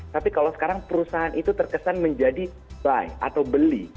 tapi kalau sekarang perusahaan itu terkesan menjadi buy atau beli